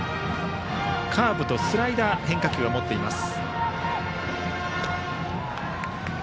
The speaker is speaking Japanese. カーブとスライダーの変化球を持っています。